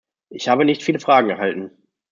Ich habe nicht viele Fragen erhalten.